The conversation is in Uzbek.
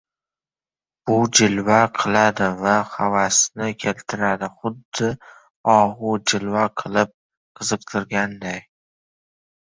— Bu jilva qiladi va havasni keltiradi, xuddi og‘u jilva qilib, qiziqtirganday.